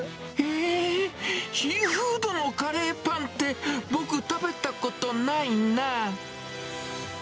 えー、シーフードのカレーパンって、僕、食べたことないなぁ。